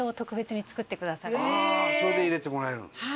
それで入れてもらえるんですか？